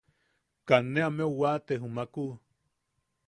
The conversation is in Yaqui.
Kaa ne ameu waate jumaku.